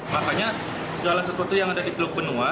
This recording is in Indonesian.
makanya segala sesuatu yang ada di teluk benua